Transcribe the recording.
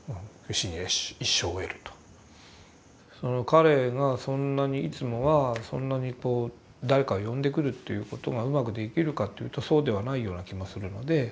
その彼がそんなにいつもはそんなにこう誰かを呼んでくるということがうまくできるかというとそうではないような気もするので。